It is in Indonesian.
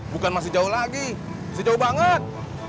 bukan masih jauh lagi masih jauh banget